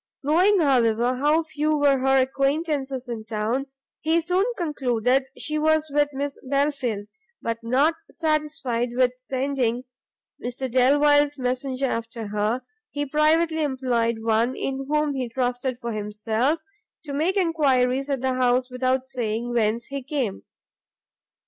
Knowing, however, how few were her acquaintances in town, he soon concluded she was with Miss Belfield, but, not satisfied with sending Mr Delvile's messenger after her, he privately employed one in whom he trusted for himself, to make enquiries at the house without saying whence he came.